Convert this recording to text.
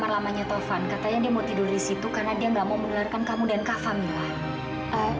lamanya tovan katanya dia mau tidur di situ karena dia nggak mau menularkan kamu dan kak famillah